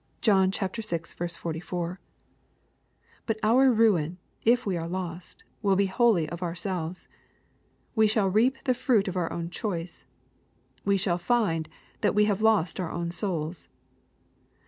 (John vi. 44.) But our ruin, if we are lost, will be wholly of ourselves. We shall reap the fruit of our own choice. We shall find that we have lost our own souls.